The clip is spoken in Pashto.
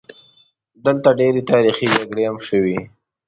دلته ډېرې تاریخي جګړې هم شوي.